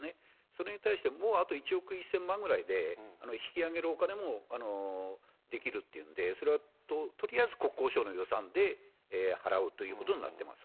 それに対して、１億１０００万ぐらいで引き揚げるお金も出来るっていうんで、とりあえず国交省の予算で払うということになってます。